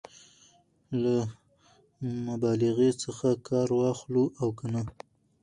له مبالغې څخه کار واخلو او که نه؟